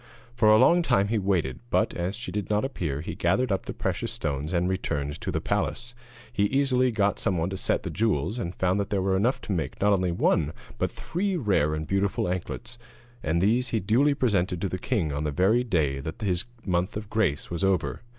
For a long while he waited, but, as she did not appear, he gathered up the precious stones and returned to the palace. He easily got some one to set the jewels, and found that there were enough to make, not only one, but three rare and beautiful anklets, and these he duly presented to the king on the very day that his month of grace was over.